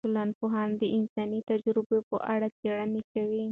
ټولنپوهنه د انساني تجربو په اړه څیړنې کوي.